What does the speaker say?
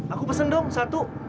aku pesen dong satu